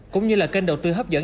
cũng như là kênh đầu tư hấp dẫn